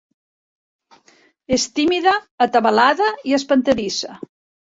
És tímida, atabalada i espantadissa.